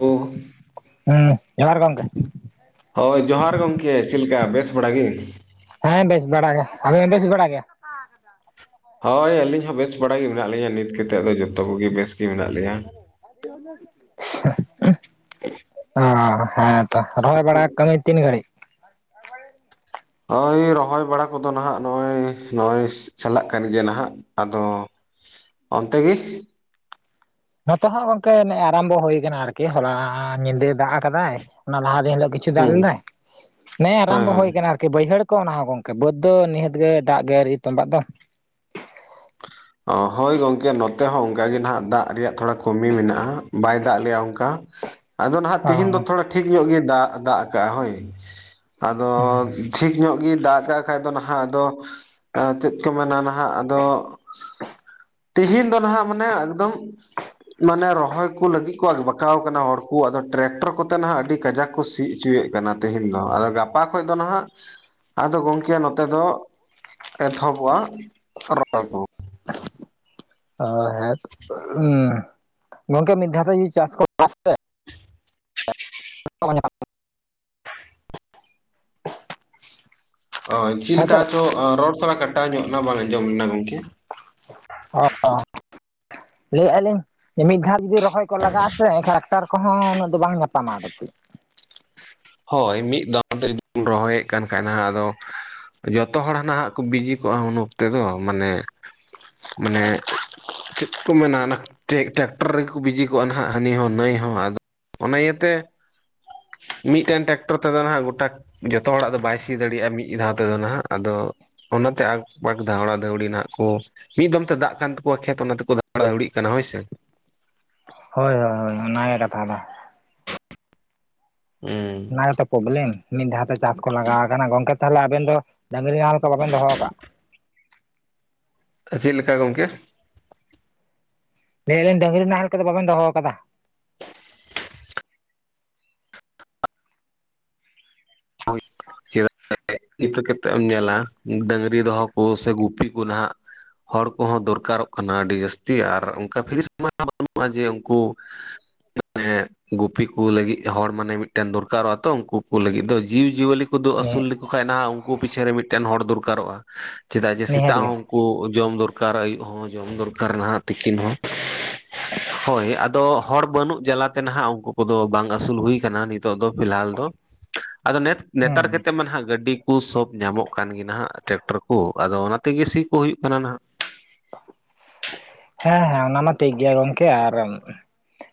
ᱦᱳᱭ ᱦᱩᱸ ᱡᱚᱦᱟᱨ ᱜᱚᱢᱠᱮ ᱦᱳᱭ ᱡᱚᱦᱟᱨ ᱜᱚᱝᱠᱮ ᱪᱮᱫ ᱞᱮᱠᱟ ᱵᱮᱥ ᱵᱟᱲᱟ ᱜᱮ? ᱦᱮᱸ ᱵᱮᱥ ᱵᱟᱲᱟᱜ ᱜᱮ ᱟᱵ ᱵᱮᱥ ᱵᱟᱲᱟᱜ ᱜᱮ᱾ [unintelligible] ᱦᱳᱭ ᱟᱹᱞᱤᱧ ᱦᱚᱸ ᱵᱮᱥ ᱵᱟᱲᱟ ᱜᱮ ᱢᱮᱱᱟᱜ ᱞᱤᱧᱟᱹ ᱱᱤᱛ ᱠᱟᱛᱮᱫ ᱫᱚ ᱡᱚᱛᱚ ᱠᱚᱜᱮ ᱵᱮᱥ ᱜᱮ ᱢᱮᱱᱟᱜ ᱞᱮᱭᱟ᱾ [inaudible] [inaudible] ᱚ ᱦᱮᱸ ᱛᱚ ᱨᱚᱦᱚᱭ ᱵᱟᱲ ᱠᱟᱹᱢᱤ ᱛᱤᱱ ᱜᱷᱟᱹᱲᱤᱡ? ᱱᱚᱜᱼᱚᱭ ᱨᱚᱦᱚᱭ ᱵᱟᱲᱟ ᱠᱚᱫᱚ ᱱᱟᱦᱟᱜ ᱱᱚᱜᱼᱚᱭ ᱱᱚᱜᱼᱚᱭ ᱪᱟᱞᱟᱜ ᱠᱟᱱ ᱜᱮᱭᱟ ᱱᱟᱦᱟᱜ᱾ ᱟᱫᱚ ᱚᱱᱛᱮ ᱜᱮ᱾ ᱱᱚᱛᱮ ᱦᱚᱸᱜ ᱜᱚᱝᱠᱮ ᱱᱮ ᱮ ᱟᱨᱟᱢᱵᱚ ᱦᱩᱭ ᱠᱟᱱᱟ ᱟᱨᱠᱤ, ᱦᱚᱞᱟ ᱧᱤᱫᱟᱹ ᱫᱟᱜ ᱟᱠᱟᱫᱟᱭ ᱚᱱᱟ ᱞᱟᱦᱟ ᱨᱮᱱᱟᱜ ᱫᱚ ᱠᱟᱡ ᱪᱷᱩ ᱫᱟᱜ, ᱦᱩᱸ ᱱᱮᱸ ᱦᱳᱭ ᱟᱨᱟᱢᱵᱚ ᱦᱳᱭ ᱦᱩᱭ ᱟᱠᱟᱱᱟ ᱾ ᱵᱟᱹᱭᱦᱟᱹᱲ ᱠᱚ ᱚᱱᱟ ᱦᱚᱸ ᱜᱚᱝᱠᱮ, ᱵᱟᱹᱫᱽ ᱫᱚ ᱱᱤᱦᱟᱹᱛ ᱜᱮ ᱫᱟᱜ ᱜᱮᱨ ᱛᱚᱢᱵᱟᱜ ᱫᱚ ᱾ ᱦᱚᱭ ᱜᱚᱢᱠᱮ ᱱᱚᱛᱮ ᱦᱚᱸ ᱚᱱᱠᱟᱜ ᱜᱮ ᱱᱟᱦᱟᱜ ᱫᱟᱜ ᱨᱮᱭᱟᱜ ᱛᱷᱚᱲᱟ ᱠᱚᱢᱤ ᱢᱮᱱᱟᱜᱼᱟ ᱵᱟᱭ ᱫᱟᱜ ᱞᱮᱭᱟ ᱚᱱᱠᱟ, ᱟᱫᱚ ᱱᱟᱦᱟᱜ ᱚ ᱛᱤᱦᱤᱧ ᱫᱚ ᱛᱷᱚᱲᱟ ᱴᱷᱤᱠ ᱧᱚᱜ ᱜᱮ ᱫᱟᱜ ᱫᱟᱜ ᱠᱟᱜ ᱦᱚᱭ, ᱟᱫᱚ ᱴᱷᱤᱠ ᱧᱚᱜ ᱜᱮᱭ ᱫᱟᱜ ᱠᱟᱜ ᱵᱟᱠᱷᱟᱡ ᱫᱚ ᱱᱟᱦᱟᱜ ᱟᱫᱚ, ᱪᱮᱫ ᱠᱚ ᱢᱮᱱᱟ ᱱᱟᱦᱟᱜ ᱟᱫᱚ ᱛᱤᱦᱤᱧ ᱫᱚ ᱱᱟᱦᱟᱜ ᱢᱟᱱᱮ ᱮᱠᱫᱚᱢ ᱢᱟᱱᱮ ᱨᱚᱦᱚᱭ ᱠᱚ ᱞᱟᱹᱜᱤᱫ ᱠᱚ ᱵᱟᱠᱟᱣ ᱟᱠᱟᱱᱟ ᱦᱚᱲᱠᱩ ᱟᱫᱚ ᱴᱮᱨᱮᱠᱴᱚᱨ ᱠᱚᱛᱮ ᱱᱟᱦᱟᱜ ᱟᱹᱰᱤ ᱠᱟᱡᱟᱠ ᱠᱚ ᱥᱤ ᱦᱚᱪᱚᱭᱮᱫ ᱠᱟᱱᱟ ᱛᱮᱦᱮᱧ ᱫᱚ, ᱜᱟᱯᱟ ᱠᱷᱚᱱ ᱫᱚ ᱱᱟᱦᱟᱜ ᱟᱫᱚ ᱜᱚᱢᱠᱮ ᱱᱚᱛᱮ ᱫᱚ ᱮᱛᱚᱦᱚᱵᱚᱜᱼᱟ [unintelligible] ᱠᱚ ᱾ ᱚ ᱦᱮᱸ ᱜᱚᱢᱠᱮ ᱢᱤᱫ ᱫᱷᱟᱣ ᱛᱮ ᱪᱟᱥ ᱠᱚ [unintelligible] [unintelligible] ᱪᱮᱫ ᱦᱮᱸ ᱥᱮ ᱞᱮᱠᱟ ᱪᱚ ᱨᱚᱲ ᱛᱚᱲᱟ ᱠᱟᱴᱟᱣ ᱧᱚᱜ ᱱᱟ ᱵᱟᱝ ᱟᱸᱡᱚᱢ ᱞᱮᱱᱟ ᱜᱚᱝᱠᱮ ᱾ ᱚ ᱞᱟᱹᱭᱮᱜᱼᱟ ᱞᱤᱧ, ᱢᱤᱫ ᱫᱷᱟᱣ ᱡᱩᱫᱤ ᱨᱚᱦᱚᱭ ᱠᱚ ᱞᱟᱜᱟᱜᱼᱟ ᱥᱮ ᱮᱱᱠᱷᱟᱱ [unintelligible] ᱠᱚᱦᱚᱸ ᱩᱱᱟᱹᱜ ᱫᱚ ᱵᱟᱝ ᱧᱟᱯᱟᱢᱟ ᱾ ᱦᱚᱭ ᱢᱤᱫ ᱫᱷᱟᱣ ᱛᱮ ᱡᱩᱫᱤᱚᱱ ᱨᱚᱦᱚᱭᱮᱫ ᱠᱷᱟᱱ ᱟᱫᱚ ᱡᱚᱛᱚ ᱦᱚᱲ ᱦᱟᱱᱟᱜ ᱠᱚ ᱵᱤᱡᱤ ᱠᱚᱜᱼᱟ ᱩᱱ ᱚᱠᱛᱚ ᱫᱚ ᱢᱟᱱᱮ, ᱢᱟᱱᱮ ᱪᱮᱫ ᱠᱚ ᱢᱮᱱᱟ ᱚᱱᱟ ᱴᱟᱠᱴᱚᱨ ᱨᱮᱜᱮ ᱠᱚ ᱵᱤᱡᱤ ᱠᱚᱜᱼᱟ ᱱᱟᱦᱟᱜ ᱦᱟᱹᱱᱤ ᱦᱚᱸ ᱱᱟᱹᱭ ᱦᱚᱸ ᱾ ᱚᱱᱟ ᱤᱭᱟᱹᱛᱮ ᱢᱤᱫᱴᱮᱱ ᱴᱮᱠᱴᱚᱨ ᱛᱮᱫᱚ ᱱᱟᱦᱟᱜ ᱜᱚᱴᱟ ᱡᱚᱛᱚ ᱦᱚᱲᱟᱜ ᱫᱚ ᱵᱟᱭ ᱥᱤ ᱫᱟᱲᱮᱭᱟᱜᱼᱟ ᱢᱤᱫ ᱫᱷᱟᱣ ᱛᱮᱫᱚ ᱱᱟᱦᱟᱜ ᱾ ᱟᱫᱚ ᱚᱱᱟᱛᱮ ᱟᱠ ᱵᱟᱠ ᱫᱷᱟᱣᱲᱟ ᱫᱷᱟᱹᱣᱲᱤ ᱱᱟᱦᱟᱜ ᱠᱚ ᱾ ᱢᱤᱫ ᱫᱚᱢ ᱛᱮ ᱫᱟᱜ ᱠᱟᱱ ᱛᱟᱠᱚᱣᱟ ᱠᱷᱮᱛ ᱚᱱᱟ ᱛᱮᱠᱚ ᱫᱷᱟᱣᱲᱟ ᱫᱷᱟᱹᱣᱲᱤᱜ ᱠᱟᱱᱟ ᱦᱚᱭ ᱥᱮ ᱾ ᱦᱚᱭ ᱦᱚᱭ ᱦᱚᱭ ᱚᱱᱟ ᱜᱮ ᱠᱟᱛᱷᱟ ᱫᱚ ᱾ ᱦᱩᱸ ᱚᱱᱟ ᱜᱮᱛᱚ [unintelligible] ᱢᱤᱫ ᱫᱷᱟᱣᱛᱮ ᱪᱟᱥ ᱠᱚ ᱞᱟᱜᱟᱣ ᱟᱠᱟᱱᱟ ᱾ ᱜᱚᱝᱠᱮ ᱛᱟᱦᱚᱞᱮ ᱟᱵᱮᱱ ᱫᱚ ᱰᱝᱜᱨᱤ ᱱᱟᱮᱞ ᱠᱚ ᱵᱟᱵᱮᱱ ᱫᱚᱦᱚ ᱟᱠᱟᱜ ᱾ ᱪᱮᱫ ᱞᱮᱠᱟ ᱜᱚᱝᱠᱮ? ᱞᱟᱹᱭᱟᱞᱤᱧ ᱰᱝᱜᱨᱤ ᱱᱟᱦᱮᱞ ᱠᱚᱫᱚ ᱵᱟᱵᱮᱱ ᱫᱚᱦᱚ ᱟᱠᱟᱫᱟ? [unintelligible] ᱪᱮᱫᱟᱜ [unintelligible] ᱤᱛᱟᱹ ᱠᱟᱛᱮᱫ ᱮᱢ ᱧᱮᱞᱟ ᱰᱝᱜᱨᱤ ᱫᱚᱦᱚ ᱠᱚ ᱥᱮ ᱜᱩᱯᱤ ᱠᱚ ᱱᱟᱦᱱᱟᱜ ᱦᱚᱲ ᱠᱚᱦᱚᱸ ᱫᱚᱨᱠᱟᱨᱚᱜ ᱠᱟᱱᱟ ᱟᱹᱰᱤ ᱡᱟᱹᱥᱛᱤ ᱟᱨ ᱚᱱᱠᱟ ᱯᱷᱤᱨᱤᱥ ᱢᱟ ᱵᱟᱹᱱᱩᱜᱼᱟ ᱡᱮ ᱩᱱᱠᱩ ᱢᱟᱱᱮ ᱜᱩᱯᱤ ᱠᱚ ᱞᱟᱹᱜᱤᱫ ᱦᱚᱲ ᱢᱟᱱᱮ ᱢᱤᱫᱴᱮᱱ ᱫᱚᱨᱠᱟᱨᱚᱜᱼᱟ ᱛᱚ ᱩᱱᱠᱩ ᱠᱚ ᱞᱟᱹᱜᱤᱫ ᱫᱚ ᱡᱤᱵᱽ ᱡᱤᱭᱟᱹᱞᱤ ᱠᱚ ᱫᱚ ᱱᱤᱦᱟᱹ ᱟᱹᱥᱩᱞ ᱞᱮᱠᱚ ᱠᱷᱟᱱᱡ ᱱᱟᱦᱟᱜ ᱩᱱᱠᱩ ᱯᱤᱪᱷᱮ ᱨᱮ ᱢᱤᱫᱴᱮᱱ ᱦᱚᱲ ᱫᱚᱨᱠᱟᱨᱚᱜᱼᱟ ᱾ ᱪᱮᱫᱟᱜ ᱡᱮ ᱱᱤᱦᱟᱹᱛ ᱥᱮᱛᱟᱜ ᱜᱮ ᱦᱚᱸ ᱠᱚ ᱡᱚᱢ ᱫᱚᱨᱠᱟᱨ ᱟᱹᱭᱩᱵ ᱦᱚᱸ ᱡᱚᱢ ᱫᱚᱨᱠᱟᱨ ᱱᱟᱦᱟᱜ ᱛᱤᱠᱤᱱ ᱦᱚᱸ ᱾ ᱦᱚᱭ ᱟᱫᱚ ᱦᱚᱲ ᱵᱟᱹᱱᱩᱜ ᱡᱟᱞᱟᱛᱮ ᱱᱟᱦᱟᱜ ᱩᱱᱠᱩ ᱠᱚᱫᱚ ᱵᱟᱝ ᱟᱹᱥᱩᱞ ᱦᱩᱭ ᱟᱠᱟᱱᱟ ᱱᱤᱛᱚᱜ ᱫᱚ ᱯᱷᱤᱞᱦᱟᱞ ᱫᱚ ᱾ ᱟᱫᱚ ᱱᱮᱛ ᱱᱮᱛᱟᱨ ᱦᱩᱸ ᱠᱟᱛᱮᱫ ᱢᱟ ᱱᱟᱦᱟᱜ ᱜᱟᱹᱰᱤ ᱠᱩ ᱥᱚᱵ ᱧᱟᱢᱚᱜ ᱠᱟᱱ ᱜᱮ ᱱᱟᱦᱟᱜ ᱴᱮᱠᱴᱚᱨ ᱠᱚ ᱟᱫᱚ ᱚᱱᱟ ᱛᱮᱜᱮ ᱥᱤ ᱠᱚ ᱦᱩᱭᱩᱜ ᱠᱟᱱᱟ ᱱᱟᱦᱟᱜ ᱾ ᱦᱮᱸ ᱦᱮᱸ ᱚᱱᱟ ᱢᱟ ᱴᱷᱤᱠ ᱜᱮᱭᱟ ᱜᱚᱢᱠᱮ ᱟᱨ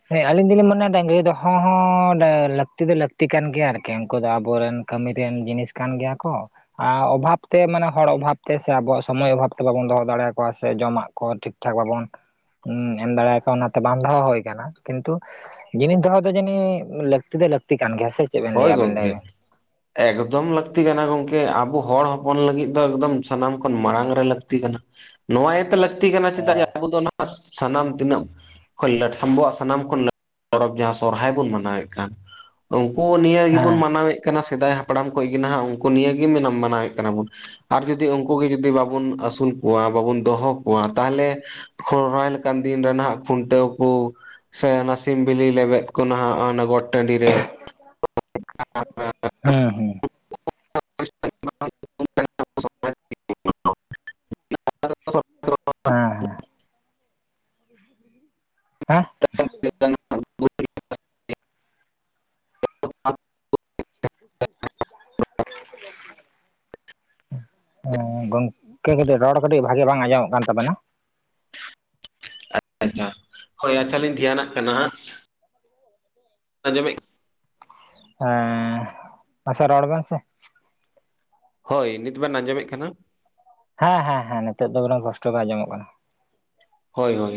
ᱦᱮ ᱟᱹᱞᱤᱧ ᱫᱚᱞᱤᱧ ᱢᱚᱱᱮ ᱫᱟ ᱰᱟᱹᱝᱜᱨᱤ ᱫᱚᱦᱚ ᱦᱚᱸ [unintelligible] ᱞᱟᱹᱠᱛᱤ ᱫᱚ ᱞᱟᱹᱠᱛᱤ ᱠᱟᱱ ᱜᱮᱭᱟ ᱟᱨᱠᱤ ᱩᱱᱠᱩ ᱫᱚ ᱟᱵᱚᱨᱮᱱ ᱠᱟᱹᱢᱤ ᱨᱮᱱ ᱡᱤᱱᱤᱥ ᱠᱟᱱ ᱜᱮᱭᱟ ᱠᱚ ᱾ ᱚᱵᱷᱟᱵ ᱛᱮ ᱢᱟᱱᱮ ᱦᱚᱲ ᱚᱵᱷᱟᱵ ᱛᱮ ᱥᱮ ᱟᱵᱚᱣᱟᱜ ᱥᱚᱢᱚᱭ ᱚᱵᱷᱟᱵ ᱛᱮ ᱵᱟᱵᱚᱱ ᱫᱚᱦᱚ ᱫᱟᱲᱮᱭᱟ ᱠᱚᱣᱟ ᱥᱮ ᱡᱚᱢᱟᱜ ᱠᱚ ᱴᱷᱤᱠ ᱴᱷᱟᱠ ᱵᱟᱵᱚᱱ ᱮᱢ ᱫᱟᱲᱮᱠᱚᱣᱟ ᱚᱱᱟᱛᱮ ᱵᱟᱝ ᱫᱚᱦᱚ ᱦᱩᱭ ᱟᱠᱟᱱᱟ ᱠᱤᱱᱛᱩ ᱡᱤᱱᱤᱥ ᱫᱚᱦᱚ ᱫᱚ ᱡᱟᱹᱱᱤ ᱞᱟᱹᱠᱛᱤ ᱫᱚ ᱞᱟᱹᱛᱤ ᱠᱟᱱ ᱜᱮᱭᱟ ᱥᱮ? ᱪᱮᱫ ᱵᱮᱱ ᱦᱚᱭ ᱞᱟᱹᱭᱟ ᱟᱵᱮᱱ ᱞᱟᱹᱭ ᱜᱚᱢᱠᱮ ᱵᱮᱱ ᱾ ᱮᱠᱫᱚᱢ ᱞᱟᱹᱠᱛᱤ ᱠᱟᱱᱟ ᱜᱚᱝᱠᱮ ᱟᱵᱚ ᱦᱚᱲ ᱦᱚᱯᱚᱱ ᱞᱟᱹᱜᱤᱫ ᱫᱚ ᱮᱠᱫᱚᱢ ᱥᱟᱱᱟᱢ ᱠᱷᱚᱱ ᱢᱟᱲᱟᱝ ᱨᱮ ᱞᱟᱹᱠᱛᱤ ᱠᱟᱱᱟ ᱾ ᱱᱚᱣᱟ ᱤᱭᱟᱹᱛᱮ ᱞᱟᱹᱠᱛᱤ ᱠᱟᱱᱟ ᱪᱮᱫᱟᱜ ᱟᱵᱚ ᱫᱚ [unintelligible] ᱥᱟᱱᱟᱢ ᱛᱤᱱᱟᱹᱜ ᱟᱵᱚᱣᱟᱜ ᱥᱟᱱᱟᱢ ᱠᱷᱚᱱ [unintelligible] ᱯᱚᱨᱚᱵ ᱡᱟᱦᱟᱸ ᱥᱚᱨᱦᱟᱭ ᱵᱚᱱ ᱢᱟᱱᱟᱣᱮᱫ ᱠᱟᱱ ᱾ ᱠᱚ ᱱᱤᱭ ᱦᱮᱸ ᱜᱮᱵᱚᱱ ᱢᱟᱱᱟᱣᱮᱫ ᱠᱟᱱᱟ ᱥᱮᱫᱟᱭ ᱦᱟᱯᱲᱟᱢ ᱠᱚ ᱜᱮ ᱱᱟᱦᱟᱜ ᱩᱱᱠᱩ ᱱᱤᱭᱟᱹᱜᱮ ᱢᱟᱱᱟᱣᱮᱫ ᱠᱟᱱᱟ ᱵᱚᱱ ᱾ ᱟᱨ ᱡᱩᱫᱤ ᱩᱱᱠᱩ ᱜᱮ ᱡᱩᱫᱤ ᱵᱟᱵᱚᱱ ᱟᱹᱥᱩᱞ ᱠᱚᱣᱟ ᱵᱟᱵᱚᱱ ᱫᱚᱦᱚ ᱠᱚᱣᱟ ᱛᱟᱦᱚᱞᱮ ᱥᱚᱨᱦᱟᱭ ᱞᱮᱠᱟᱱ ᱫᱤᱱ ᱨᱮ ᱦᱟᱜ ᱠᱷᱩᱱᱴᱟᱹᱣ ᱠᱚ ᱥᱮ ᱚᱱᱟ ᱥᱤᱢ ᱵᱤᱞᱤ ᱞᱮᱵᱮᱫ ᱠᱚ ᱱᱟᱦᱟᱜ ᱚᱱᱟ ᱜᱚᱴ ᱴᱟᱺᱰᱤ ᱨᱮ᱾ ᱦᱮᱸ ᱦᱮᱸ ᱾ [unintelligible] [unintelligible] ᱦᱮᱸ ᱦᱮᱸ [inaudible] ᱦᱮᱸ ᱾ [unintelligible] [unintelligible] ᱦᱮᱸ ᱜᱚᱝᱠᱮ ᱠᱟᱹᱴᱤᱡ ᱨᱚᱲ ᱠᱟᱹᱴᱤᱡ ᱵᱷᱟᱜᱤ ᱵᱟᱝ ᱟᱸᱡᱚᱢᱚᱜ ᱠᱟᱱ ᱛᱟᱵᱮᱱᱟ ᱾ [unintelligible] ᱟᱪᱪᱷᱟ ᱦᱚᱭ ᱟᱪᱪᱷᱟ ᱞᱤᱧ ᱫᱷᱮᱭᱟᱱᱟᱜ ᱠᱟᱱᱟ ᱦᱟᱸᱜ ᱾ ᱟᱸᱡᱚᱢᱮᱜ ᱦᱮᱸ ᱢᱟᱥᱮ ᱨᱚᱲ ᱵᱮᱱ ᱥᱮ ᱾ ᱦᱚᱭ ᱱᱤᱛ ᱵᱮᱱ ᱟᱸᱡᱚᱢᱮᱫ ᱠᱟᱱᱟ? ᱦᱮᱸ ᱦᱮᱸ ᱦᱮᱸ ᱱᱤᱛᱚ ᱫᱚ ᱩᱱᱟᱜ ᱠᱚᱥᱴᱚ ᱵᱟᱝ ᱟᱸᱚᱢᱚᱜ ᱠᱟᱱᱟ ᱾ ᱦᱚᱭ ᱦᱚᱭ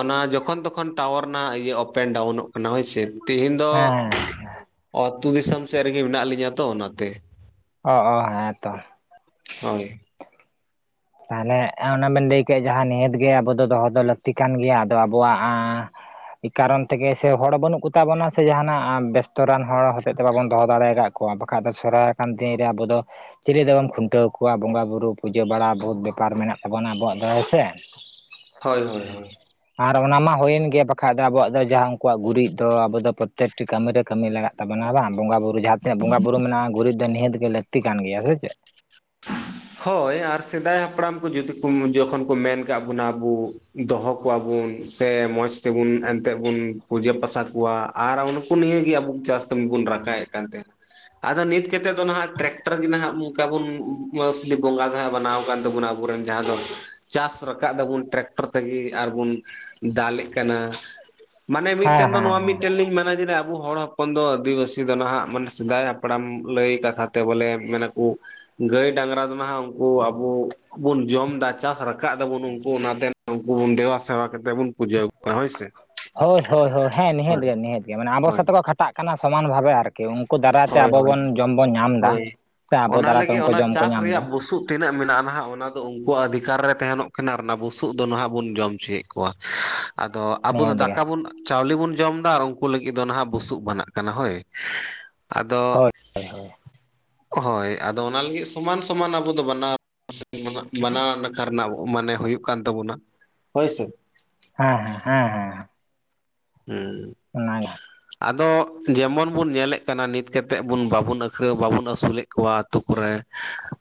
ᱚᱱᱟ ᱡᱚᱠᱷᱚᱱ ᱛᱚᱠᱷᱚᱱ ᱴᱟᱣᱟᱨ ᱨᱮᱱᱟᱜ ᱤᱭᱟᱹ ᱚᱯᱮᱱ- ᱰᱟᱣᱩᱱᱚᱜ ᱠᱟᱱᱟ ᱦᱚᱭ ᱪᱮ ᱾ ᱛᱮᱦᱤᱧ ᱫᱚ ᱦᱮᱸ ᱦᱮᱸ ᱟᱹᱛᱩ ᱫᱤᱥᱚᱢ ᱥᱮᱫ ᱨᱮᱜᱮ ᱢᱮᱱᱟᱜ ᱞᱤᱧᱟ ᱛᱚ ᱚᱱᱟᱛᱮ ᱾ ᱚ ᱦᱚ ᱦᱮᱸ ᱛᱚ ᱾ ᱦᱚᱭ ᱾ ᱛᱟᱦᱚᱞᱮ ᱚᱱᱟ ᱵᱮᱱ ᱞᱟᱹᱭ ᱠᱮᱫ ᱡᱟᱦᱟᱸ ᱱᱤᱦᱟᱹᱛ ᱜᱮ ᱟᱵᱚ ᱫᱚ ᱫᱚᱦᱚ ᱫᱚ ᱞᱟᱹᱠᱛᱤ ᱠᱟᱱ ᱜᱮᱭᱟ ᱟᱫᱚ ᱟᱵᱚᱣᱟᱜ ᱠᱟᱨᱚᱱ ᱛᱮᱜᱮ ᱥᱮ ᱦᱚᱲ ᱵᱟᱹᱱᱩᱜ ᱠᱚ ᱛᱟᱵᱚᱱᱟ ᱥᱮ, ᱡᱟᱦᱟᱱᱟᱜ ᱵᱮᱥᱛᱚᱚᱨᱟᱱ ᱦᱚᱲ ᱦᱚᱛᱮᱡ ᱛᱮ ᱵᱟᱵᱚᱱ ᱫᱚᱦᱚ ᱫᱟᱲᱮ ᱠᱟ ᱠᱚᱣᱟ ᱾ ᱵᱟᱠᱷᱟᱡ ᱫᱚ ᱥᱚᱨᱦᱟᱭ ᱟᱠᱟᱱ ᱫᱤᱱ ᱨᱮ ᱟᱵᱚ ᱫᱚ ᱪᱤᱞᱤ ᱫᱚᱵᱚᱱ ᱠᱷᱩᱱᱴᱟᱹᱣ ᱠᱚᱣᱟ ᱵᱚᱸᱜᱟ ᱵᱩᱨᱩ ᱯᱩᱡᱟᱹ ᱵᱟᱲᱟ ᱵᱚᱦᱩᱛ ᱵᱮᱯᱟᱨ ᱢᱮᱱᱟᱜ ᱛᱟᱵᱚᱱᱟ ᱟᱵᱚᱣᱟᱜ ᱫᱚ ᱦᱮ ᱥᱮ ᱾ ᱦᱚᱭ ᱦᱚᱭ ᱦᱚᱭ ᱾ ᱟᱨ ᱚᱱᱟ ᱢᱟ ᱦᱩᱭᱮᱱ ᱜᱮᱭᱟ ᱵᱟᱠᱷᱟᱡ ᱫᱚ ᱟᱵᱚᱣᱟᱜ ᱫᱚ ᱡᱟᱦᱟᱸ ᱩᱱᱠᱩᱣᱟᱜ ᱜᱩᱨᱤᱡ ᱫᱚ ᱟᱵᱚ ᱫᱚ ᱯᱨᱚᱛᱮᱠᱴᱤ ᱠᱟᱹᱢᱤ ᱨᱮ ᱠᱟᱹᱢᱤ ᱞᱟᱜᱟᱜ ᱛᱟᱵᱚᱱᱟ ᱵᱟᱝ ᱵᱚᱸᱜᱟ ᱵᱩᱨᱩ ᱡᱟᱦᱟᱸ ᱛᱤᱱᱟᱹᱜ ᱵᱚᱸᱜᱟ ᱵᱩᱨᱩ ᱢᱮᱱᱟᱜᱼᱟ ᱜᱩᱨᱤᱡ ᱫᱚ ᱱᱤᱟᱹᱛ ᱜᱮ ᱞᱟᱹᱠᱛᱤ ᱠᱟᱱ ᱜᱮᱭᱟ ᱥᱮ ᱪᱮᱫ ᱾ [inaudible] ᱦᱚᱭ ᱟᱨ ᱥᱮᱫᱟᱭ ᱦᱟᱯᱲᱟᱢ ᱠᱚ ᱡᱤᱫᱤ ᱡᱚᱠᱷᱚᱱ ᱠᱚ ᱢᱮᱱ ᱠᱟᱜ ᱵᱚᱱᱟ ᱟᱵᱚ ᱫᱚᱦᱚ ᱠᱚᱣᱟᱵᱩᱱ ᱥᱮ ᱢᱚᱸᱡᱽ ᱛᱮᱵᱩᱱ ᱮᱱᱛᱮ ᱵᱩᱱ ᱯᱩᱡᱟᱹ ᱯᱟᱥᱟ ᱠᱚᱣᱟ ᱟᱨ ᱩᱱᱠᱩ ᱱᱤᱭᱮ ᱟᱵᱚ ᱪᱟᱥ ᱠᱟᱹᱢᱤ ᱵᱚᱱ ᱨᱟᱠᱟᱵᱮᱫ ᱠᱟᱱ ᱛᱟᱦᱮᱱᱟ ᱾ ᱟᱫᱚ ᱱᱤᱛ ᱠᱟᱛᱮᱫ ᱫᱚ ᱱᱟᱦᱟᱜ ᱴᱨᱟᱠᱴᱟᱨ ᱜᱮ ᱱᱟᱦᱟᱜ ᱚᱱᱠᱟ ᱵᱩᱱ ᱢᱟᱥᱞᱤ ᱵᱚᱸᱜᱟ ᱡᱟᱦᱟᱸ ᱵᱮᱟᱱᱟᱣ ᱟᱠᱟᱱ ᱛᱟᱵᱚᱱᱟ ᱾ ᱟᱵᱚᱨᱮᱱ ᱡᱟᱦᱟᱸ ᱫᱚ ᱪᱟᱥ ᱨᱟᱠᱟᱵ ᱫᱟᱵᱚᱱ ᱴᱨᱟᱠᱴᱚᱨ ᱛᱮᱜᱮ ᱟᱨ ᱵᱚᱱ ᱫᱟᱞᱮᱜ ᱠᱟᱱᱟ ᱾ ᱢᱟᱱᱮ ᱦᱮᱸ ᱢᱤᱫᱴᱮᱱ ᱫᱚ ᱦᱮᱸ ᱱᱚᱣᱟ ᱢᱤᱫ ᱦᱮᱸ ᱢᱤᱫᱴᱮᱱ ᱞᱤᱧ ᱢᱮᱱᱟ ᱡᱮ ᱟᱵᱚ ᱦᱚᱲ ᱦᱚᱯᱚᱱ ᱫᱚ ᱟᱹᱫᱤᱵᱟᱹᱥᱤ ᱫᱚ ᱱᱟᱦᱟᱜ ᱢᱟᱱ ᱥᱮᱫᱟᱭ ᱦᱟᱯᱲᱟᱢ ᱞᱟᱹᱭ ᱠᱟᱛᱷᱟ ᱛᱮ ᱵᱚᱞᱮ ᱢᱮᱱ ᱟᱠᱚ ᱜᱟᱹᱭ ᱰᱟᱝᱨᱟ ᱫᱚ ᱱᱟᱦᱟᱜ ᱩᱱᱠᱩ ᱟᱵᱩ ᱵᱩᱱ ᱡᱚᱢ ᱫᱟ ᱪᱟᱥ ᱨᱟᱠᱟᱵ ᱫᱟᱵᱩᱱ ᱩᱱᱠᱩ ᱚᱱᱟᱛᱮ ᱩᱱᱠᱩ ᱵᱚᱱ ᱫᱮᱵᱟ-ᱥᱮᱵᱟ ᱠᱟᱛᱮᱫ ᱵᱚᱱ ᱯᱩᱡᱟᱹ ᱠᱚᱣᱟ ᱦᱳᱭ ᱥᱮ ᱦᱚᱭ ᱦᱚᱭ ᱦᱚᱭ ᱦᱮᱸ ᱱᱤᱦᱟᱹᱛ ᱦᱳᱭ ᱜᱮ ᱱᱤᱦᱟᱹᱛ ᱜᱮ ᱢᱟᱱᱮ ᱟᱵᱚ ᱦᱳᱭ ᱥᱟᱛᱮ ᱵᱚᱱ ᱠᱷᱟᱴᱟᱜ ᱠᱟᱱᱟ ᱾ ᱠᱟᱱᱟ ᱥᱚᱢᱟᱱ ᱵᱷᱟᱵᱮ ᱟᱨᱠᱤ ᱾ ᱩᱱᱠᱩ ᱫᱟᱨᱟᱭ ᱛᱮ ᱦᱳᱭ ᱟᱵᱚ ᱦᱳᱭ ᱵᱚᱱ ᱡᱚᱢ ᱵᱚᱱ ᱧᱟᱢ ᱮᱫᱟ ᱦᱳᱭ ᱥᱮ ᱟᱵᱚ ᱚᱱᱟ ᱫᱟᱨᱟᱭ ᱛᱮ ᱞᱟᱹᱜᱤᱫ ᱩᱱᱠᱩ ᱚᱱᱟ ᱡᱚᱢ ᱠᱚ ᱪᱟᱥ ᱧᱟᱢ ᱮᱫᱟ ᱨᱮᱭᱟᱜ ᱾ ᱵᱩᱥᱩᱵ ᱛᱤᱱᱟᱹᱜ ᱢᱮᱱᱟᱜᱼᱟ ᱱᱟᱦᱟᱜ ᱚᱱᱟ ᱫᱚ ᱩᱱᱠᱩᱣᱟᱜ ᱚᱫᱷᱤᱠᱟᱨ ᱨᱮ ᱛᱟᱦᱮᱱᱚᱜ ᱠᱟᱱᱟ, ᱚᱱᱟ ᱵᱩᱥᱩᱵ ᱫᱚ ᱱᱟᱦᱜ ᱵᱚᱱ ᱡᱚᱢ ᱦᱚᱪᱚᱭᱮᱫ ᱠᱚᱣᱟ ᱾ ᱟᱫᱚ ᱟᱵᱚ ᱫᱚ ᱱᱤᱦᱟᱹᱛ ᱜᱮ ᱫᱟᱠᱟ ᱵᱚᱱ ᱪᱟᱣᱞᱮ ᱵᱚᱱ ᱡᱚᱢ ᱮᱫᱟ ᱟᱨ ᱩᱱᱠᱩ ᱞᱟᱹᱜᱤᱫ ᱫᱚ ᱱᱟᱦᱟᱜ ᱵᱩᱥᱩᱵ ᱵᱮᱱᱟᱜ ᱠᱟᱱᱟ᱾ ᱦᱚᱭ ᱟᱫᱚ ᱦᱳᱭ ᱦᱚᱭ ᱟᱫᱚ ᱚᱱᱟ ᱞᱟᱹᱜᱤᱫ ᱥᱚᱢᱟᱱ ᱥᱚᱢᱟᱱ ᱟᱵᱚ ᱫᱚ ᱵᱟᱱᱟᱨ ᱢᱟᱱᱟ ᱱᱟᱠᱷᱟ ᱨᱮᱱᱟᱜ ᱢᱟᱱᱮ ᱦᱩᱭᱩᱜ ᱠᱟᱱ ᱛᱟᱵᱚᱱᱟ ᱦᱚᱭ ᱥᱮ ᱾ ᱦᱮᱸ ᱦᱮᱸ ᱦᱮᱸ ᱦᱮᱸ ᱾ ᱦᱮᱸ ᱚᱱᱟ [unintelligible] ᱟᱫᱚ ᱡᱮᱢᱚᱱ ᱵᱩᱱ ᱧᱮᱞᱮᱫ ᱠᱟᱱᱟ ᱱᱤᱛ ᱠᱮᱛᱮᱜ ᱵᱩᱱ ᱵᱟᱵᱚᱱ ᱟᱹᱠᱷ ᱵᱟᱵᱚᱱ ᱟᱹᱥᱩᱞᱮᱫ ᱠᱚᱣᱟ ᱟᱛᱩ ᱠᱚᱨᱮᱼᱼ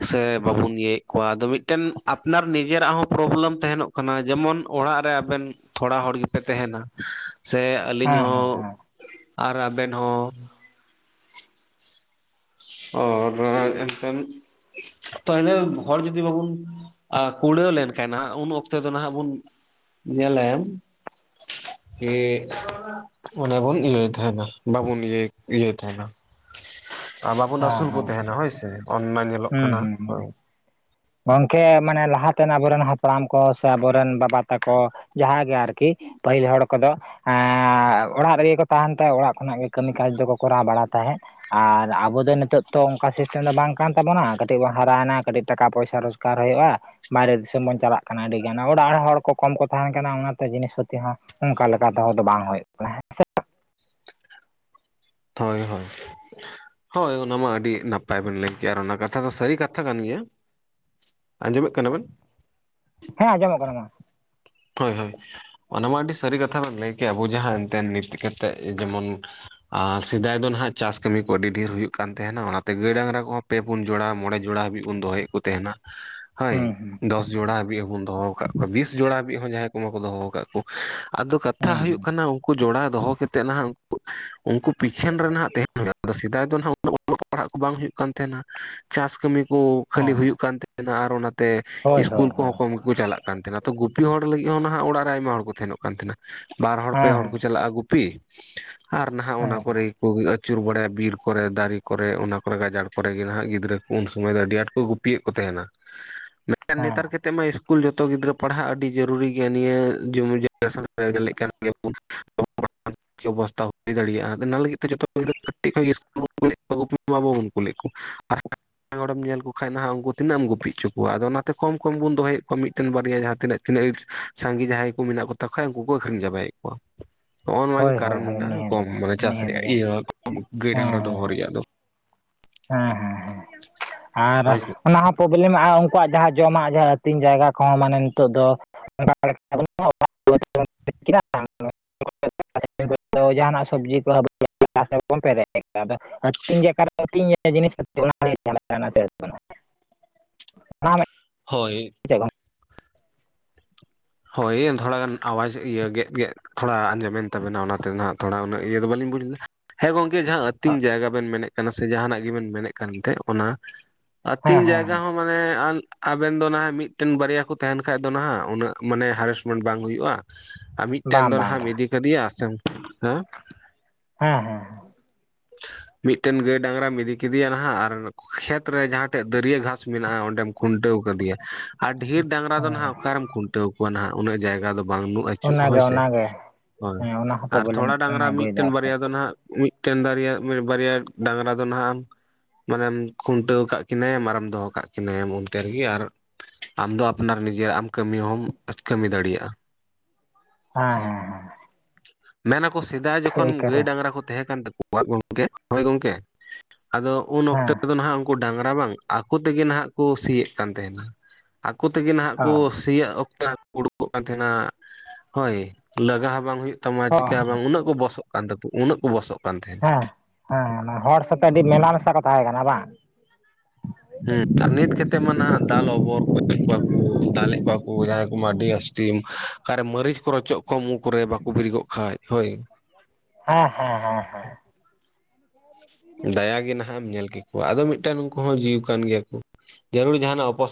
ᱥᱮ ᱵᱟᱵᱚᱱ ᱤᱭᱟᱹᱭᱮᱫ ᱠᱚᱣᱟ ᱟᱫᱚ ᱢᱤᱫᱴᱮᱱ ᱟᱯᱱᱟᱨ ᱱᱤᱡᱮᱨᱟᱜ ᱦᱚᱸ ᱯᱨᱚᱵᱞᱮᱢ ᱛᱟᱦᱮᱱᱚᱜ ᱠᱟᱱᱟ ᱡᱮᱢᱚᱱ ᱚᱲᱟᱜ ᱨᱮ ᱟᱵᱮᱱ ᱛᱷᱚᱲᱟ ᱦᱚᱲ ᱜᱮᱯᱮ ᱛᱟᱦᱮᱱᱟ ᱥᱮ ᱟᱹᱞᱤᱧ ᱦᱮᱸ ᱦᱮᱸ ᱦᱚᱸ ᱦᱮᱸ ᱟᱨ ᱟᱵᱮᱱ ᱦᱚᱸ ᱟᱨ ᱮᱱᱠᱷᱟᱱ ᱛᱟᱦᱚᱞᱮ ᱦᱚᱲ ᱡᱩᱫᱤ ᱵᱟᱵᱚᱱᱼᱼ ᱠᱩᱲᱟᱹᱣ ᱞᱮᱱᱠᱷᱟᱱ ᱩᱱ ᱚᱠᱛᱚ ᱫᱚ ᱱᱟᱦᱟᱸᱜ ᱵᱚᱱ ᱧᱮᱞᱟᱼᱼ ᱮ ᱚᱱᱟ ᱵᱚᱱ ᱤᱭᱟᱹᱭ ᱛᱟᱦᱮᱱᱟ ᱵᱟᱵᱚᱱ ᱤᱭᱟᱹ ᱤᱭᱟᱹᱭ ᱛᱟᱦᱮᱱᱟ᱾ ᱵᱟᱵᱚᱱ ᱦᱮᱸ ᱟᱹᱥᱩᱞ ᱠᱚ ᱦᱮᱸ ᱛᱟᱦᱮᱱᱟ ᱦᱳᱭᱥᱮ ᱚᱱᱱᱟ ᱧᱮᱞᱚᱜ ᱦᱩᱸ ᱠᱟᱱᱟ᱾ ᱦᱩᱸ ᱦᱩᱸ ᱜᱚᱝᱠᱮ ᱢᱟᱱᱮ ᱞᱟᱦᱟᱛᱮ ᱟᱵᱚᱨᱮᱱ ᱦᱟᱯᱲᱟᱢ ᱠᱚ ᱥᱮ ᱟᱵᱚᱨᱮᱱ ᱵᱟᱵᱟ ᱛᱟᱠᱚ ᱡᱟᱦᱟᱸᱭ ᱜᱮ ᱟᱨᱠᱤᱼᱼ ᱯᱟᱹᱦᱤᱞ ᱦᱚᱲ ᱠᱚᱫᱚᱼᱼ ᱚᱲᱟᱜ ᱨᱮᱜᱮ ᱠᱚ ᱛᱟᱦᱮᱱ ᱛᱟᱦᱮᱸ ᱚᱲᱟᱜ ᱠᱷᱚᱱᱟᱜ ᱜᱮ ᱠᱟᱹᱢᱤ ᱠᱟᱡᱽ ᱫᱚᱠᱚ ᱠᱚᱨᱟᱣ ᱵᱟᱲᱟ ᱛᱟᱦᱮᱸᱫ᱾ ᱟᱨ ᱟᱵᱚ ᱫᱚ ᱱᱤᱛᱚᱜ ᱛᱚ ᱚᱱᱠᱟ ᱥᱤᱥᱴᱮᱢ ᱫᱚ ᱵᱟᱝ ᱠᱟᱱ ᱛᱟᱵᱚᱱᱟ ᱠᱟᱹᱴᱤᱡ ᱵᱚᱱ ᱦᱟᱨᱟᱭᱮᱱᱟ ᱠᱟᱹᱴᱤᱡ ᱴᱟᱠᱟ ᱯᱚᱭᱥᱟᱼᱼ ᱨᱳᱡᱽᱜᱟᱨ ᱦᱩᱭᱩᱜᱼᱟ᱾ ᱵᱟᱭᱨᱮ ᱫᱤᱥᱚᱢ ᱵᱚᱱ ᱪᱟᱞᱟᱜ ᱠᱟᱱᱟ ᱟᱹᱰᱤᱜᱟᱱ ᱚᱲᱟᱜ ᱨᱮ ᱦᱚᱲ ᱠᱚ ᱠᱚᱢ ᱠᱚ ᱛᱟᱦᱮ ᱠᱟᱱᱟ ᱚᱱᱟᱛᱮ ᱡᱤᱱᱤᱥ ᱯᱟᱹᱛᱤ ᱦᱚᱸᱼᱼ ᱚᱱᱠᱟ ᱞᱮᱠᱟ ᱛᱮᱦᱚ ᱫᱚ ᱵᱟᱝ ᱦᱩᱭᱩᱜ ᱠᱟᱱᱟ ᱦᱮᱸᱼᱼ ᱦᱳᱭ ᱦᱳᱭ᱾ ᱦᱳᱭ ᱚᱱᱟᱢᱟ ᱟᱹᱰᱤ ᱱᱟᱯᱟᱭ ᱵᱮᱱ ᱞᱟᱹᱭ ᱠᱮᱭᱟ ᱟᱨ ᱚᱱᱟ ᱠᱟᱛᱷᱟ ᱫᱚ ᱥᱟᱹᱨᱤ ᱠᱟᱛᱷᱟ ᱠᱟᱱ ᱜᱮᱭᱟ᱾ ᱟᱸᱡᱚᱢᱮᱫ ᱠᱟᱱᱟ ᱵᱮᱱ? ᱦᱮᱸᱚᱢᱚᱢᱚᱜ ᱠᱟᱱᱟ ᱢᱟ᱾ ᱦᱳᱭ ᱦᱳᱭ ᱚᱱᱟ ᱢᱟ ᱟᱹᱰᱤ ᱥᱟᱹᱨᱤ ᱠᱟᱛᱷᱟ ᱵᱮᱱ ᱞᱟᱹᱭ ᱠᱮᱜ-ᱟ ᱟᱵᱚ ᱡᱟᱦᱟᱸ ᱮᱱᱛᱮ ᱱᱤᱛ ᱠᱟᱛᱮᱫ ᱡᱮᱢᱚᱱᱼᱼ ᱟᱨ ᱥᱮᱫᱟᱭ ᱫᱚ ᱱᱟᱦᱟᱜ ᱪᱟᱥ ᱠᱟᱹᱢᱤ ᱠᱚ ᱟᱹᱰᱤ ᱰᱷᱮᱨ ᱦᱩᱭᱩᱜ ᱠᱟᱱ ᱛᱟᱦᱮᱱᱟ ᱚᱱᱟᱛᱮ ᱜᱟᱹᱭ ᱰᱟᱝᱨᱟ ᱠᱚᱦᱚᱸᱼᱼ ᱯᱮ ᱯᱩᱱ ᱡᱚᱲᱟ ᱢᱚᱬᱮ ᱡᱚᱲᱟ ᱦᱟᱹᱵᱤᱡ ᱵᱚᱱ ᱫᱚᱦᱚᱭᱮᱫ ᱠᱚ ᱛᱟᱦᱮᱱᱟ᱾ [inaudible] ᱦᱳᱭ ᱦᱩᱸ ᱫᱚᱥ ᱡᱚᱲᱟ ᱦᱟᱹᱵᱤᱡ ᱦᱚᱵᱚᱱ ᱫᱚᱦᱚ ᱟᱠᱟᱫ ᱠᱚᱣᱟ ᱵᱤᱥ ᱡᱚᱲᱟ ᱦᱟᱵᱤᱡ ᱦᱚᱸ ᱡᱟᱦᱟᱸᱭ ᱠᱚ ᱢᱟᱠᱚ ᱫᱚᱦᱚ ᱠᱟᱜᱼᱼ ᱠᱚ ᱟᱫᱚ ᱠᱟᱛᱷᱟ ᱦᱩᱸ ᱦᱩᱭᱩᱜ ᱠᱟᱱᱟ ᱩᱱᱼᱼ ᱠᱩ ᱡᱚᱲᱟᱣ ᱫᱚᱦᱚ ᱠᱮᱛᱮᱫ ᱱᱟᱦᱟᱜ ᱩᱱᱠᱩ ᱯᱤᱪᱷᱟᱹᱱ ᱨᱮ ᱱᱟᱦᱟᱜ ᱛᱟᱦᱮᱱ ᱦᱩᱭᱩᱜᱼᱟ ᱟᱫᱚ ᱥᱮᱫᱟᱭ ᱫᱚ ᱱᱟᱦᱟᱜ ᱩᱱᱟᱹᱜᱼᱼ ᱚᱞᱚᱜ ᱯᱟᱲᱦᱟᱜ ᱠᱚ ᱵᱟᱝ ᱦᱩᱭᱩᱜ ᱠᱟᱱ ᱛᱟᱦᱮᱸᱱᱟ ᱪᱟᱥ ᱠᱟᱹᱢᱤᱼᱼ ᱠᱩ ᱦᱩᱸ ᱠᱷᱟᱹᱞᱤ ᱦᱮᱸ ᱦᱩᱭᱩᱜ ᱠᱟᱱ ᱛᱟᱦᱮᱱᱟ ᱟᱨ ᱚᱱᱟᱛᱮ ᱦᱳᱭ ᱤᱥᱠᱩᱞ ᱦᱳᱭ ᱦᱳᱭ ᱠᱚᱦᱚᱸ ᱦᱮᱸ ᱠᱚᱢ ᱜᱮᱠᱚ ᱪᱟᱞᱟᱜ ᱠᱟᱱ ᱛᱟᱦᱮᱱᱟ ᱛᱚ ᱜᱩᱼᱼ ᱜᱩᱯᱤ ᱦᱚᱲ ᱞᱟᱹᱜᱤᱫ ᱦᱚᱸ ᱱᱟᱦᱟᱜ ᱚᱲᱟᱜ ᱨᱮ ᱟᱭᱢᱟ ᱦᱚᱲ ᱠᱚ ᱛᱟᱦᱮᱱᱚᱜ ᱠᱟᱱ ᱛᱟᱦᱮᱸᱱᱟ ᱵᱟᱨ ᱦᱚᱲ ᱯᱮ ᱦᱮᱸ ᱦᱚᱲ ᱠᱩ ᱪᱟᱞᱟᱜᱼᱟ ᱜᱩᱯᱤᱼᱼ ᱟᱨ ᱱᱟᱦᱟᱜ ᱚᱱᱟ ᱦᱮᱸ ᱠᱚᱨᱮᱼᱼ ᱠᱚᱜᱮ ᱟᱹᱪᱩᱨ ᱵᱟᱲᱟᱭᱟ ᱵᱤᱨ ᱠᱚᱨᱮ ᱫᱟᱨᱮ ᱠᱚᱨᱮ ᱚᱱᱟ ᱠᱚᱨᱮ ᱜᱟᱡᱟᱲ ᱠᱚᱨᱮᱜᱮ ᱱᱟᱦᱟᱜ ᱜᱤᱫᱽᱨᱟᱹ ᱠᱚ ᱩᱱ ᱥᱩᱚᱢᱚᱭ ᱫᱚ ᱟᱹᱰᱤ ᱟᱸᱴᱼᱼ ᱠᱚ ᱜᱩᱯᱤᱭᱮᱫ ᱠᱚ ᱛᱟᱦᱮᱸᱱᱟ᱾ [inaudible] ᱢᱮᱱᱠᱷ ᱱᱮᱛᱟᱨ ᱠᱟᱛᱮᱫ ᱢᱟ ᱤᱥᱠᱩᱞ ᱡᱚᱛᱚ ᱜᱤᱫᱽᱨᱟᱹ ᱯᱟᱲᱦᱟᱜ ᱟᱹᱰᱤ ᱡᱟᱹᱨᱩᱨᱤ ᱜᱮᱭᱟ ᱱᱤᱭᱟᱹ ᱡᱩᱢᱤ ᱡᱟᱼᱼ ᱵᱮᱥ ᱚᱱᱠᱟᱜᱮ ᱜᱮᱞᱮᱜ ᱠᱟᱱ ᱜᱮᱭᱟ ᱵᱚᱱ [inaudible] [unintelligible] ᱟᱨ ᱪᱮᱫ ᱚᱵᱚᱥᱛᱷᱟ ᱦᱩᱭ ᱫᱟᱲᱮᱭᱟᱜᱼᱟ ᱟᱫᱚ ᱚᱱᱟ ᱞᱟᱹᱜᱤᱫ ᱛᱮ ᱡᱚᱛᱚ ᱜᱤᱫᱽᱨᱟᱹ ᱠᱟᱹᱴᱤᱡ ᱠᱷᱚᱡᱜᱮ ᱤᱥᱠᱩᱞ ᱠᱚ ᱠᱳᱞᱮᱫ ᱠᱚᱣᱟ ᱜᱩᱯᱤᱼᱼ ᱢᱟ ᱵᱟᱵᱚᱱ ᱠᱳᱞᱮᱜ ᱠᱚ ᱟᱨ ᱼᱼ ᱮᱴᱟᱜ ᱦᱚᱲᱮᱢ ᱧᱮᱞ ᱠᱚ ᱠᱷᱟᱱᱡ ᱱᱟᱦᱟᱜ ᱩᱱᱠᱩ ᱛᱤᱱᱟᱹᱜ ᱮᱢ ᱜᱩᱯᱤ ᱦᱚᱪᱚ ᱠᱚᱣᱟ ᱟᱫᱚ ᱚᱱᱟᱛᱮ ᱠᱚᱢ ᱠᱚᱢ ᱵᱚᱱ ᱫᱚᱦᱚᱭᱮᱫ ᱠᱚᱣᱟ ᱢᱤᱫᱴᱮᱱ ᱵᱟᱨᱭᱟ ᱡᱟᱦᱟᱸ ᱛᱤᱱᱟᱹᱜᱼᱼ ᱛᱤᱱᱟᱹᱜ ᱤᱸᱴ ᱱᱥᱟᱸᱜᱮ ᱡᱟᱦᱟᱸᱭ ᱠᱩ ᱢᱮᱱᱟᱜ ᱠᱚᱛᱟ ᱠᱚ ᱠᱷᱟᱡ ᱩᱱᱠᱩ ᱠᱚ ᱟᱹᱠᱷᱨᱤᱧ ᱪᱟᱵᱟᱭᱮᱫ ᱠᱚᱣᱟ᱾ ᱦᱚᱸᱜᱼᱚ ᱱᱚᱣᱟ ᱜᱮ ᱦᱳᱭ ᱦᱳᱭ ᱠᱟᱨᱚᱱ ᱦᱳᱭ ᱢᱮᱱᱟᱜᱼᱟ ᱱᱤᱦᱟᱹᱛ ᱠᱚᱢ ᱜᱮ ᱢᱟᱱᱮ ᱪᱟᱥ ᱱᱤᱦᱟᱹᱛ ᱨᱮᱭᱟᱜ ᱜᱮ ᱤᱭᱟᱹ ᱠᱚ ᱜᱟᱹᱭ ᱦᱮᱸ ᱦᱮᱸ ᱰᱟᱝᱨᱟ ᱫᱚᱦᱚ ᱨᱮᱭᱟᱜ ᱫᱚ᱾ ᱦᱮᱸ ᱦᱮᱸ ᱦᱮᱸ ᱟᱨ ᱦᱳᱭ ᱥᱮ ᱚᱱᱟᱦᱚᱸᱼᱼ ᱯᱨᱚᱵᱞᱮᱢ ᱢᱟ ᱦᱟᱸᱜ ᱩᱱᱠᱩᱣᱟᱜ ᱡᱟᱦᱟᱸ ᱡᱚᱢᱟᱜ ᱡᱟᱦᱟᱸ ᱟᱹᱛᱤᱧ ᱡᱟᱭᱜᱟ ᱠᱚᱦᱚᱸ ᱢᱟᱱᱮ ᱱᱤᱛᱚᱜ ᱫᱚᱼᱼ [inaudible] ᱡᱟᱦᱟᱱᱟᱜ ᱥᱚᱵᱽᱡᱤ ᱠᱚ ᱦᱟᱹᱵᱤ ᱡᱟᱹᱵᱤ ᱪᱟᱥ ᱛᱮᱜᱮᱵᱚᱱ ᱯᱮᱨᱮᱡ ᱠᱟᱜ-ᱟ ᱟᱫᱚ ᱟᱹᱛᱤᱧ ᱡᱟᱭᱜᱟ ᱨᱮ [inaudible] [unintelligible] ᱦᱳᱭ ᱦᱳᱭ ᱛᱷᱚᱲᱟ ᱜᱟᱱ ᱟᱣᱟᱡᱽ ᱤᱭᱟᱹ ᱜᱮᱫ ᱜᱮᱫ ᱛᱷᱚᱲᱟ ᱟᱸᱡᱚᱢᱮᱱ ᱛᱟᱵᱮᱱᱟ ᱚᱱᱟᱛᱮ ᱱᱟᱦᱟᱜ ᱛᱷᱚᱲᱟ ᱩᱱᱟᱹᱜ ᱤᱭᱟᱹ ᱫᱚ ᱵᱟᱹᱞᱤᱧ ᱵᱩᱡᱽ ᱞᱮᱫᱟ᱾ ᱦᱮᱸ ᱜᱚᱢᱠᱮ ᱡᱟᱸᱦᱟᱸ ᱟᱹᱛᱤᱧ ᱡᱟᱭᱜᱟ ᱵᱮᱱ ᱢᱮᱱᱮᱫ ᱠᱟᱱᱟ ᱥᱮ ᱡᱟᱦᱟᱱᱟᱜ ᱜᱮᱵᱮᱱ ᱢᱮᱱᱮᱫ ᱠᱟᱱ ᱮᱱᱛᱮ ᱚᱱᱟᱼᱼ ᱦᱮᱸ ᱟᱹᱛᱤᱧ ᱡᱟᱭᱜᱟ ᱦᱮᱸ ᱦᱚᱸ ᱢᱟᱱᱮ ᱟᱞ ᱟᱵᱮᱱ ᱫᱚ ᱱᱟᱦᱟᱜ ᱢᱤᱫᱴᱮᱱ ᱵᱟᱨᱭᱟ ᱠᱚ ᱛᱟᱦᱮᱱ ᱠᱷᱟᱡ ᱫᱚ ᱱᱟᱦᱟᱜ ᱩᱱᱟᱹᱜ ᱢᱟᱱᱮ ᱦᱟᱨᱮᱥᱢᱮᱱ ᱵᱟᱝ ᱦᱩᱭᱩᱜᱼᱟ ᱟᱨ ᱢᱤᱫᱴᱮᱱ ᱵᱟᱝ ᱫᱚ ᱵᱟᱝ ᱱᱟᱦᱟᱜ ᱮᱢ ᱵᱟᱝ ᱤᱫᱤ ᱠᱟᱫᱮᱭᱟ ᱥᱮᱢ ᱦᱮᱸ ᱦᱮᱸ ᱦᱮᱸ [unintelligible] [inaudible] ᱢᱤᱫᱴᱮᱱ ᱜᱟᱹᱭ ᱰᱟᱝᱨᱟᱢ ᱤᱫᱤ ᱠᱮᱫᱮᱭᱟ ᱱᱟᱦᱟᱜ ᱟᱨ ᱠᱷᱮᱛ ᱨᱮ ᱡᱟᱦᱟᱸᱴᱷᱮᱡ ᱫᱟᱹᱨᱭᱟᱹ ᱜᱷᱟᱸᱥ ᱢᱮᱱᱟᱜᱼᱟ ᱚᱸᱰᱮᱢ ᱠᱷᱩᱱᱴᱟᱹᱣ ᱠᱟᱫᱮᱭᱟ ᱟᱨ ᱰᱷᱮᱹᱨ ᱰᱟᱝᱨᱟ ᱫᱚ ᱱᱟᱦᱟᱜ ᱚᱠᱟᱨᱮᱢ ᱠᱷᱩᱱᱴᱟᱹᱣ ᱠᱚᱣᱟ ᱱᱟᱦᱟᱜ ᱩᱱᱟᱹᱜ ᱡᱟᱭᱜᱟ ᱫᱚ ᱵᱟᱝ ᱱᱩᱜ ᱯᱟᱹᱪᱩᱜ ᱚᱱᱟᱜᱮ ᱦᱳᱭ ᱥᱮ ᱚᱱᱟᱜᱮ ᱦᱳᱭ ᱦᱮᱸ ᱚᱱᱟ ᱦᱚᱸ ᱟᱨ ᱯᱨᱚᱵᱞᱮᱢ ᱛᱷᱚᱲᱟ ᱰᱟᱝᱨᱟ ᱢᱤᱫᱴᱮᱱ ᱟᱹᱜᱩᱭᱮᱫᱟ ᱟᱨᱠᱤ ᱵᱟᱨᱭᱟ ᱫᱚ ᱱᱟᱦᱟᱜ ᱢᱤᱫ ᱴᱮᱱ ᱫᱟᱨᱮᱭᱟ ᱵᱟᱨᱭᱟ ᱰᱟᱝᱨᱟ ᱫᱚ ᱱᱟᱦᱟᱜ ᱟᱢ ᱢᱟᱱᱮᱢ ᱠᱷᱩᱱᱴᱟᱹᱣ ᱠᱟᱜ ᱠᱤᱱᱟᱹᱭᱟᱢ ᱟᱨᱮᱢ ᱫᱚᱦᱚ ᱠᱟᱜ ᱠᱤᱱᱟᱹᱭᱟᱢ ᱚᱱᱛᱮ ᱨᱮᱜᱤ ᱟᱨ ᱟᱢ ᱫᱚ ᱟᱯᱱᱟᱨ ᱱᱤᱡᱮᱨᱟᱜ ᱮᱢ ᱠᱟᱹᱢᱤ ᱦᱚᱸᱢ ᱠᱟᱹᱢᱤ ᱫᱟᱲᱤᱭᱟᱜᱼᱟ ᱦᱮᱸ ᱦᱮᱸ ᱦᱮᱸ ᱢᱮᱱ ᱟᱠᱚ ᱥᱮᱫᱟᱭ ᱦᱮᱸ ᱡᱚᱠᱷᱚᱱ ᱜᱟᱹᱭ ᱮᱠᱟᱨᱮ ᱰᱟᱝᱨᱟ ᱠᱚ ᱛᱮᱦᱮ ᱠᱟᱱ ᱛᱟᱠ ᱛᱟᱠᱚᱣᱟ ᱜᱚᱢᱠᱮ ᱦᱳᱭ ᱜᱚᱝᱠᱮ ᱟᱫᱚ ᱩᱱ ᱚᱠᱛᱮ ᱦᱮᱸ ᱠᱚᱫᱚ ᱱᱟᱸᱦᱟᱜ ᱩᱱᱠᱩ ᱰᱟᱝᱨᱟ ᱵᱟᱝ ᱟᱠᱚ ᱛᱮᱜᱮ ᱱᱟᱦᱟᱜ ᱠᱚ ᱥᱤᱭᱮᱫ ᱠᱟᱱ ᱛᱟᱦᱮᱸᱱᱟ ᱟᱠᱩ ᱛᱮᱜᱮ ᱱᱟᱦᱟᱜ ᱚ ᱠᱩ ᱥᱤᱭᱜ ᱚᱠᱛᱚ ᱟᱠᱚᱠᱚ ᱩᱰᱩᱠᱚᱜ ᱠᱟᱱ ᱛᱟᱦᱮᱱᱟ ᱦᱳᱭ ᱞᱟᱹᱜᱟ ᱦᱚᱸ ᱵᱟᱝ ᱦᱩᱭᱩᱜ ᱛᱟᱢᱟ ᱚ ᱪᱮᱠᱟ ᱵᱟᱝ ᱩᱱᱟᱹᱜ ᱠᱚ ᱵᱚᱥᱚᱜ ᱠᱟᱱ ᱛᱟᱠᱚ ᱩᱱᱟᱹᱜ ᱠᱚ ᱵᱚᱥᱚᱜ ᱠᱟᱱ ᱛᱟᱦᱮᱸᱫ ᱦᱮᱸ ᱦᱮᱸᱮ ᱚᱱᱟ ᱦᱚᱲ ᱥᱟᱛᱮ ᱟᱹᱰᱤ ᱢᱮᱞᱟ ᱢᱮᱥᱟ ᱠᱚ ᱛᱟᱦᱮᱸ ᱠᱟᱱᱟ ᱵᱟᱝ ᱦᱮᱸ ᱟᱨ ᱱᱤᱛ ᱠᱷᱮᱛᱮᱜ ᱢᱟ ᱱᱟᱦᱟᱜ ᱫᱟᱞ ᱚᱵᱚᱨ ᱜᱚᱡ-ᱮᱫ ᱠᱚᱣᱟ ᱠᱩ ᱫᱟᱞ ᱮᱫ ᱠᱚᱣᱟ ᱠᱩ ᱡᱟᱦᱟᱸᱭ ᱠᱚ ᱢᱟ ᱟᱹᱰᱤ ᱡᱟᱹᱥᱛᱤᱢ ᱚᱠᱟᱨᱮ ᱢᱟᱹᱨᱤᱪ ᱠᱚ ᱨᱚᱪᱚᱜ ᱠᱚᱣᱟ ᱢᱩ ᱠᱚᱨᱮ ᱵᱟᱠᱚ ᱵᱮᱨᱮᱜᱚᱜ ᱠᱷᱟᱡ, ᱦᱳᱭ ᱦᱚᱸ ᱦᱚᱸ ᱦᱚᱸ ᱦᱚᱸ ᱫᱟᱭᱟᱜᱮ ᱱᱟᱦᱟᱜ ᱮᱢ ᱧᱮᱞ ᱠᱮᱜ ᱠᱚᱣᱟ ᱟᱫᱚ ᱢᱤᱫᱴᱟᱝ ᱩᱱᱩᱠᱩ ᱦᱚᱸ ᱡᱤᱣ ᱠᱟᱱ ᱜᱮᱭᱟ ᱠᱩ ᱡᱟᱹᱨᱩᱲ ᱡᱟᱦᱟᱱᱟᱜ ᱚᱯᱚᱥ